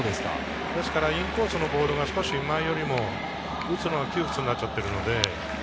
インコースのボールが少し前よりも打つのが窮屈になっちゃってるので。